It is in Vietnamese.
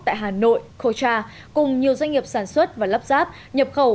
tại hà nội cocha cùng nhiều doanh nghiệp sản xuất và lắp ráp nhập khẩu